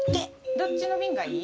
どっちの瓶がいい？